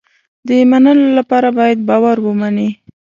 د منلو لپاره باید باور ومني.